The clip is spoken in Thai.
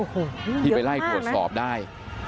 โอ้โหเยอะมากนะที่ไปไล่ตรวจสอบได้